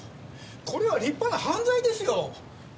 これは立派な犯罪ですよ！